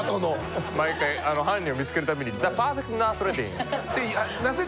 毎回犯人を見つける度に「ザ・パーフェクト・ナスレッディン！！」。